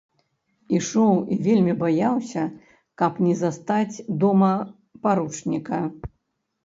Ішоў і вельмі баяўся, каб не застаць дома паручніка.